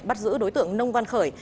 bắt giữ đối tượng nông văn khởi